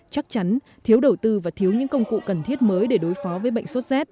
chắc chắn thiếu đầu tư và thiếu những công cụ cần thiết mới để đối phó với bệnh sốt z